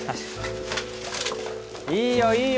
いいよいいよ！